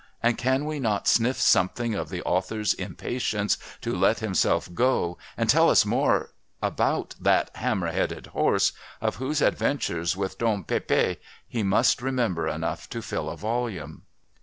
and can we not sniff something of the author's impatience to let himself go and tell us more about that "hammer headed horse" of whose adventures with Don Pépé he must remember enough to fill a volume!